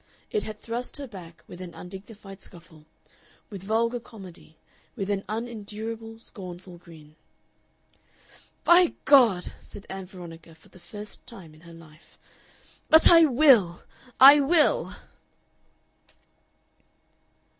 It had thrust her back with an undignified scuffle, with vulgar comedy, with an unendurable, scornful grin. "By God!" said Ann Veronica for the first time in her life. "But I will! I will!"